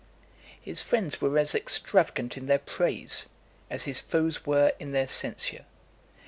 His friends were as extravagant in their praise, as his foes were in their censure.